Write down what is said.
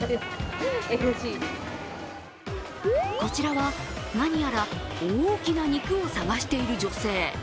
こちらは、何やら大きな肉を探している女性。